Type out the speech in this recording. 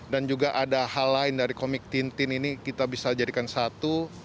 dan juga ada hal lain dari komik tintin ini kita bisa jadikan satu